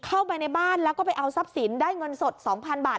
เข้าไปในบ้านแล้วก็ไปเอาทรัพย์สินได้เงินสด๒๐๐๐บาท